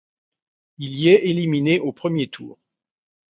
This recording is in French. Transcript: Il y est éliminé au premier tour.